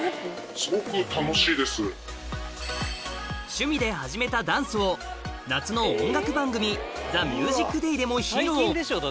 趣味で始めたダンスを夏の音楽番組『ＴＨＥＭＵＳＩＣＤＡＹ』でも披露最近でしょ